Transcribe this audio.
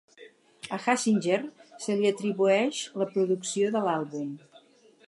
A Hassinger se li atribueix la producció de l'àlbum.